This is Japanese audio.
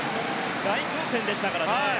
大混戦でしたからね。